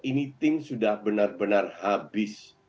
ini tim sudah benar benar habis